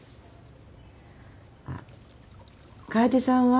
あっ楓さんは？